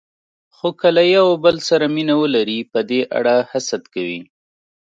خو که یو له بل سره مینه ولري، په دې اړه حسد کوي.